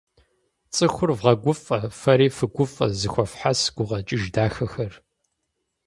Цӏыхур вгъэгуфӏэ, фэри фыгуфӏэ зэхуэфхьэс гукъэкӏыж дахэхэр.